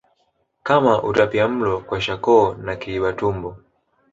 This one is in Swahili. kama utapiamulo kwashakoo na kiliba tumbo